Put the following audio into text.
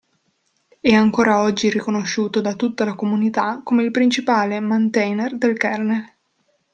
È ancora oggi riconosciuto da tutta la comunità come il principale mantainer del kernel.